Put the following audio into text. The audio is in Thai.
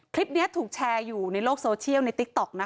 คลิปนี้ถูกแชร์อยู่ในโลกโซเชียลในติ๊กต๊อกนะคะ